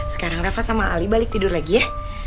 sekarang rafa sama ali balik tidur lagi ya